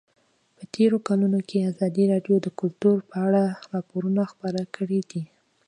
په تېرو کلونو کې ازادي راډیو د کلتور په اړه راپورونه خپاره کړي دي.